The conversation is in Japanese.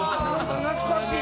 懐かしい。